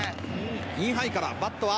「インハイからバットは」